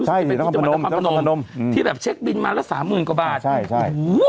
ใช่นักความพนมที่แบบเช็คบินมาละสามหมื่นกว่าบาทใช่ใช่อู๋